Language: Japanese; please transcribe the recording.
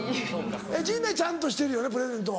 陣内ちゃんとしてるよなプレゼントは。